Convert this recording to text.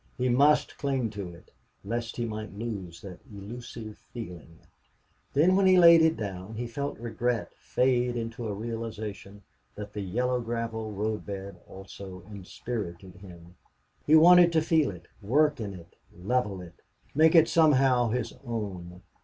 He must cling to it, lest he might lose that illusive feeling. Then when he laid it down he felt regret fade into a realization that the yellow gravel road bed also inspirited him. He wanted to feel it, work in it, level it, make it somehow his own.